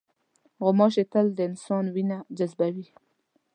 غوماشې تل د انسان وینه جذبوي.